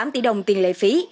tám tỷ đồng tiền lệ phí